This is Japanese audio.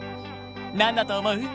何だと思う？